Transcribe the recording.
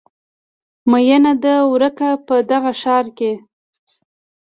میینه ده ورکه په دغه ښار کې